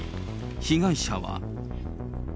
被害者は。